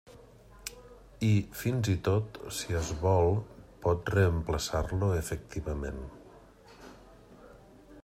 I, fins i tot, si es vol, pot reemplaçar-lo efectivament.